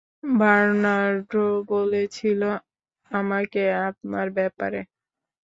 Bernardo বলেছিল আমাকে আপনার ব্যাপারে।